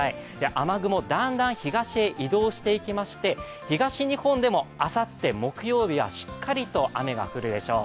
雨雲、だんだん東へ移動していきまして、東日本でもあさって木曜日はしっかりと雨が降るでしょう。